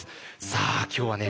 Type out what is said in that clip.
さあ今日はね